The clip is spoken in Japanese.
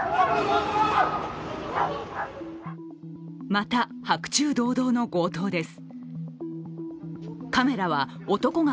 また、白昼堂々の強盗です。